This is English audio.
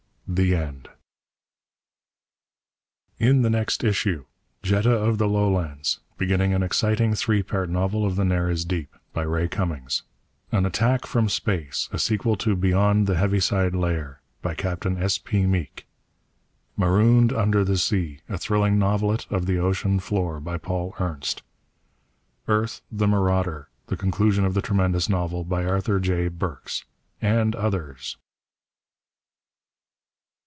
(The End.) [Advertisement: IN THE NEXT ISSUE JETTA OF THE LOWLANDS Beginning an Exciting Three Part Novel of the Nares Deep By Ray Cummings AN ATTACK FROM SPACE A Sequel to "Beyond the Heaviside Layer" By Captain S. P. Meek MAROONED UNDER THE SEA A Thrilling Novelet of the Ocean Floor By Paul Ernst EARTH, THE MARAUDER The Conclusion of the Tremendous Novel By Arthur J. Burks _AND OTHERS!